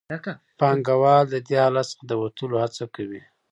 پانګوال د دې حالت څخه د وتلو هڅه کوي